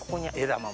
枝豆。